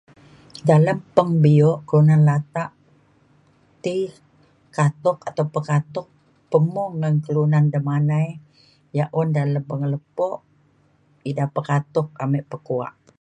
dalem peng bi'uk kelunan latak tai katuk atau pekatuk pemung ngan kelunan da' manai ya' un dalem pengelepuk eda pekatuk amik pe kuak.